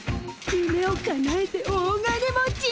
ゆめをかなえて大金持ち！